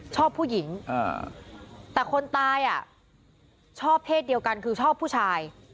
ชอบผู้หญิงแต่คนตายอ่ะชอบเพศเดียวกันคือชอบผู้ชาย